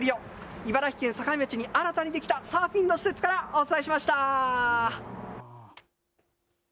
茨城県境町に新たに出来たサーフィンの施設からお伝えしましたー。